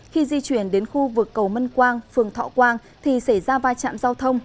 khi di chuyển đến khu vực cầu mân quang phường thọ quang thì xảy ra vai trạm giao thông